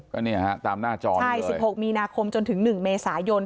ก็เนี่ยฮะตามหน้าจอเลยใช่สิบหกมีนาคมจนถึงหนึ่งเมษายน